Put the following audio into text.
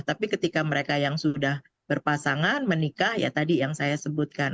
tapi ketika mereka yang sudah berpasangan menikah ya tadi yang saya sebutkan